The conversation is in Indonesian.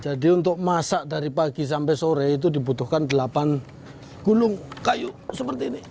jadi untuk masak dari pagi sampai sore itu dibutuhkan delapan gulung kayu seperti ini